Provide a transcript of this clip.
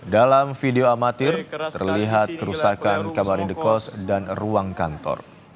dalam video amatir terlihat kerusakan kamar indekos dan ruang kantor